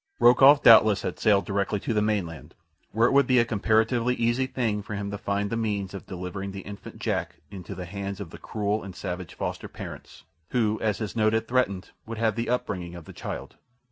Rokoff doubtless had sailed directly to the mainland, where it would be a comparatively easy thing for him to find the means of delivering the infant Jack into the hands of the cruel and savage foster parents, who, as his note had threatened, would have the upbringing of the child.